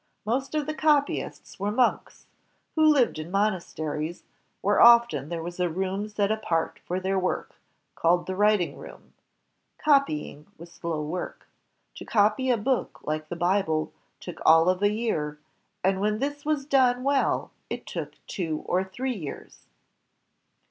Most of the copyists were monks, who lived in monasteries, where often there was a room set apart for their work, caUed the writing room. Cop3dng was slow work. To copy a book like the Bible took all of a year, and when this was done well it took two or three years.